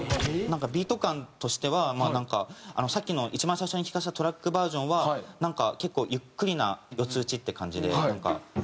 ビート感としてはまあなんかさっきの一番最初に聴かせたトラックバージョンはなんか結構ゆっくりな４つ打ちって感じで。